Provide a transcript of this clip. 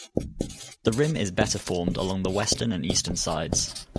The rim is better formed along the western and eastern sides.